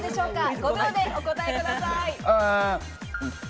５秒でお答えください。